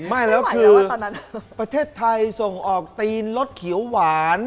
ไม่แล้วคือประเทศไทยส่งออกตีนรสเขียวหวาน